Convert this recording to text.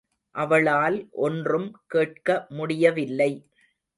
அவளால் ஒன்றும் கேட்க முடியவில்லை.